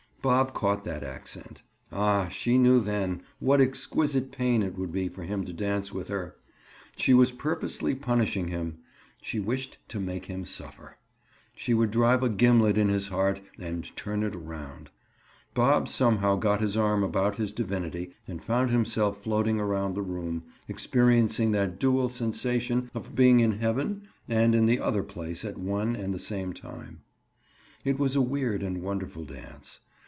Bob caught that accent. Ah, she knew then, what exquisite pain it would be for him to dance with her! She was purposely punishing him; she wished to make him suffer. She would drive a gimlet in his heart and turn it around. Bob somehow got his arm about his divinity and found himself floating around the room, experiencing that dual sensation of being in heaven and in the other place at one and the same time. It was a weird and wonderful dance.